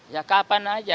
ya kapan saja